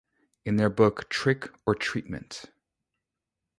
In their book Trick or Treatment?